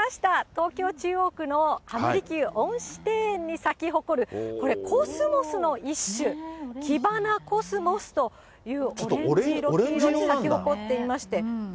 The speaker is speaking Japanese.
東京・中央区の浜離宮恩賜庭園に咲き誇る、これ、コスモスの一種、キバナコスモスという、オレンジ色に咲き誇っていまして。